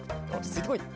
すごいぞ。